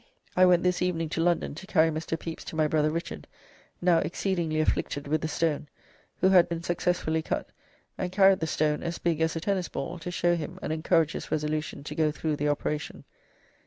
I went this evening to London, to carry Mr. Pepys to my brother Richard, now exceedingly afflicted with the stone, who had been successfully cut, and carried the stone, as big as a tennis ball, to show him and encourage his resolution to go thro' the operation."